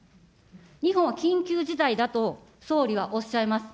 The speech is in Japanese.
日本は緊急事態だと総理はおっしゃいます。